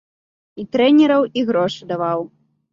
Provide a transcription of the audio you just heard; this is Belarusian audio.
І трэнераў, і грошы даваў.